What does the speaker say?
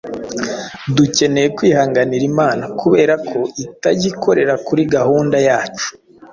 Dukeneye kwihanganira Imana kubera ko itajya ikorera kuri gahunda yacu